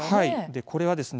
でこれはですね